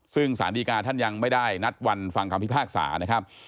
ซึ่งสารดีกาท่านยังไม่ได้นัดวันฟังคำพิพากษานะครับ